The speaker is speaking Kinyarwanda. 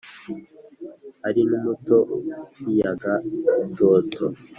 Ari n'umuto ukiyaga itoto